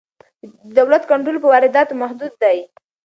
د دولت کنټرول پر وارداتو محدود دی.